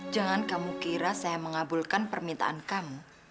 jangan kamu kira saya mengabulkan permintaan kamu